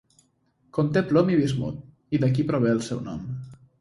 Conté Plom i Bismut i d'aquí prové el seu nom.